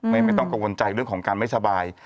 ไม่ต้องกังวลใจเรื่องของการไม่สบาย